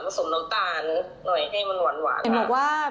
ผสมน้ำตาลหน่อยให้มันหวาน